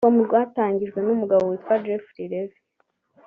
com rwatangijwe n’umugabo witwa Jeffrey Levin